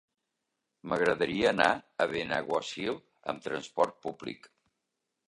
M'agradaria anar a Benaguasil amb transport públic.